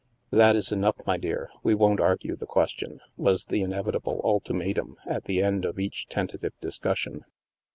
" That is enough, my dear, we won't argue the question" was the inevitable ultimatum at the end of each tentative discussion.